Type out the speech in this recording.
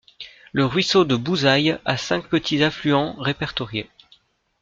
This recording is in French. Le ruisseau de Bouzaï a cinq petits affluents répertoriés.